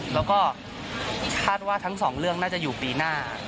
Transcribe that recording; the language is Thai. แล้วก็คาดว่าทั้งสองเรื่องน่าจะอยู่ปีหน้า